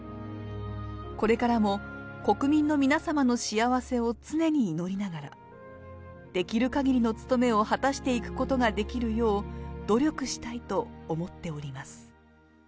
これからも国民の皆様の幸せを常に祈りながら、できるかぎりの務めを果たしていくことができるよう、努力したいと思っております。